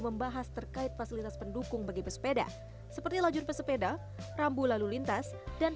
membahas terkait fasilitas pendukung bagi pesepeda seperti lajur pesepeda rambu lalu lintas dan